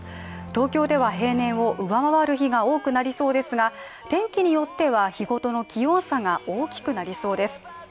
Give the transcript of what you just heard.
東京では平年を上回る日が多くなりそうですが天気によっては、日ごとの気温差が大きくなりそうです。